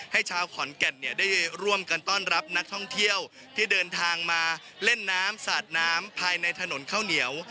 ชาวขอนแก่นเนี่ยได้ร่วมกันต้อนรับนักท่องเที่ยวที่เดินทางมาเล่นน้ำสาดน้ำภายในถนนข้าวเหนียว